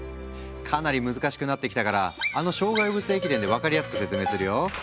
かなり難しくなってきたからあの障害物駅伝で分かりやすく説明するよ。